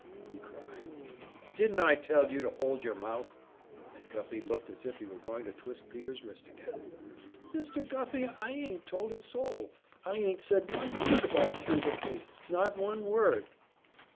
he cried. "Didn't I tell you to hold your mouth?" And Guffey looked as if he were going to twist Peter's wrist again. "Mr. Guffey, I ain't told a soul! I ain't said one word about the Goober case, not one word!"